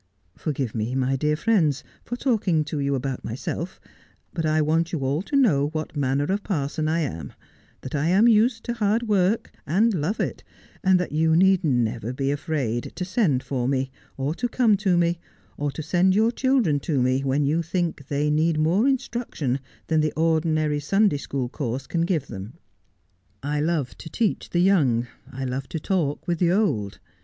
Forgive me, dear friends, for talking to you about myself, but I want you all to know what manner of parson I am, that I am used to hard work, and love it, and that you never need be afraid to send for me, or to come to me, or to send your children to me when you think they need more instruction than the ordinary Sunday school course can give them. I love to teach the young, I love to talk with the old.